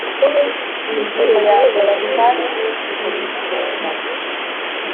Ingingo ya mbere Ifasi y Urukiko rw Ikirenga